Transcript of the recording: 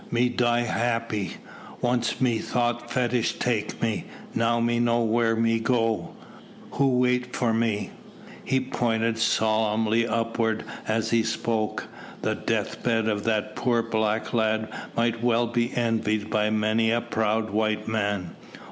Me die happy. Once me thought fetish take me, now me know where me go who wait for me." He pointed solemnly upwards as he spoke. The deathbed of that poor black lad might well be envied by many a proud white man.